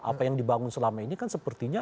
apa yang dibangun selama ini kan sepertinya